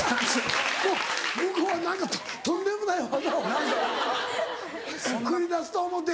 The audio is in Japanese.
もう向こうは何かとんでもない技を繰り出すと思って。